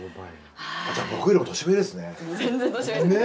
じゃあ僕よりも年上ですね。